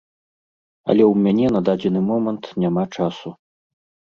Але ў мяне на дадзены момант няма часу.